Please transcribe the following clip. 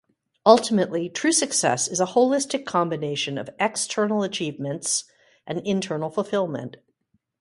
Ultimately, true success is a holistic combination of external achievements and internal fulfillment.